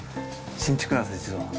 新築なんです実は。